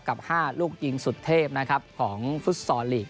กับ๕ลูกยิงสุดเทพนะครับของฟุตซอลลีก